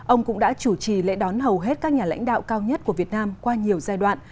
ông cũng đã chủ trì lễ đón hầu hết các nhà lãnh đạo cao nhất của việt nam qua nhiều giai đoạn